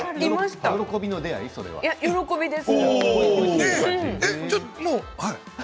喜びです。